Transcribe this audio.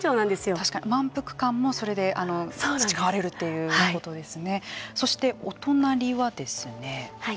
確かに満腹感もそれで培われるということですね。